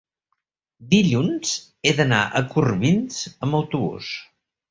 dilluns he d'anar a Corbins amb autobús.